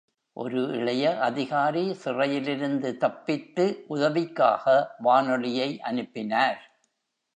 ஒரு இளைய அதிகாரி சிறையில் இருந்து தப்பித்து உதவிக்காக வானொலியை அனுப்பினார்.